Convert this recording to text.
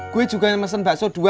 gue juga yang mesen bakso dua